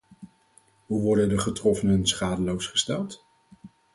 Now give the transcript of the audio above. Hoe worden de getroffenen schadeloos gesteld?